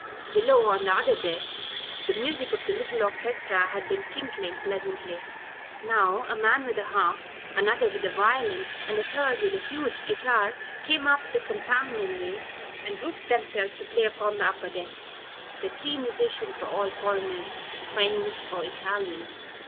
Below, on the other deck, the music of a little orchestra had been tinkling pleasantly. Now a man with the harp, another with a violin, and a third with a huge guitar, came up the companionway and grouped themselves to play upon the upper deck. The three musicians were all foreigners French or Italian.